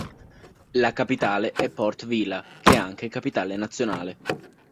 La capitale è Port Vila che è anche capitale nazionale.